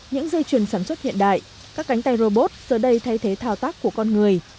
những dây chuyền sản xuất hiện đại các cánh tay robot giờ đây thay thế thao tác của con người